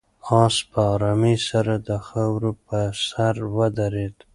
آس په آرامۍ سره د خاورو په سر ودرېد.